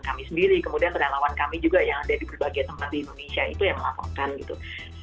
kemudian ada yang melawan kami juga yang ada di berbagai tempat di indonesia itu yang melakukan gitu